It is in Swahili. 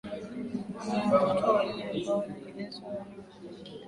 Wana watoto wanne ambao ni Enzo Alan Zidane